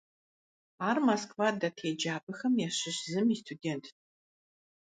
Ар Москва дэт еджапӀэхэм ящыщ зым и студентт.